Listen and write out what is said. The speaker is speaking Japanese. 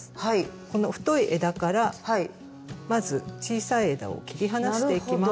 この太い枝からまず小さい枝を切り離していきます。